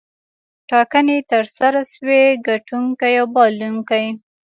ټاکنې ترسره شوې ګټونکی او بایلونکی.